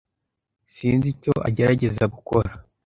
Sinzi icyo agerageza gukora.